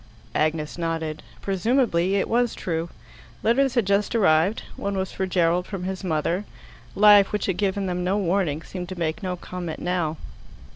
Agnes nodded. Presumably it was true. Letters had just arrived: one was for Gerald from his mother. Life, which had given them no warning, seemed to make no comment now.